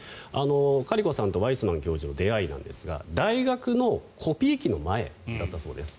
カリコさんとワイスマン教授の出会いなんですが大学のコピー機の前だったそうです。